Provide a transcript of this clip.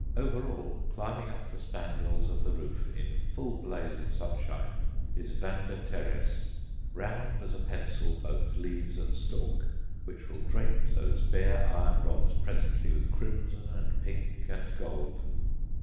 Over all, climbing up the spandrils of the roof in full blaze of sunshine, is Vanda teres, round as a pencil both leaves and stalk, which will drape those bare iron rods presently with crimson and pink and gold.